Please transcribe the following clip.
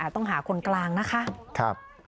จะต้องหาคนกลางนะคะค่ะค่ะ